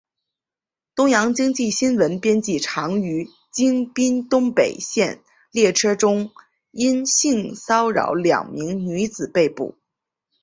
东洋经济新闻编辑长于京滨东北线列车中因性骚扰两名女子被捕。